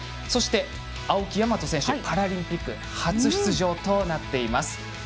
そして、青木大和選手パラリンピック初出場となっています。